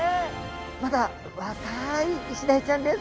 まだ若いイシダイちゃんです。